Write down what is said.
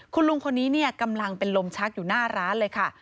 คุณลุงคนนี้กำลังเป็นลมชักอยู่หน้าร้านเลยค่ะ